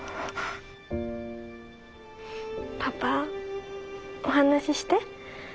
パパお話しして。